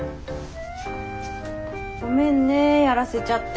ごめんねやらせちゃって。